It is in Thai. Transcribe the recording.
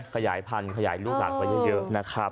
ขยายพันธุ์ขยายลูกหลานไปเยอะนะครับ